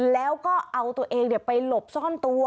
แล้วก็เอาตัวเองไปหลบซ่อนตัว